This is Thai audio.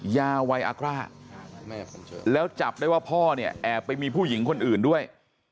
ยาไวอากร่าแล้วจับได้ว่าพ่อเนี่ยแอบไปมีผู้หญิงคนอื่นด้วย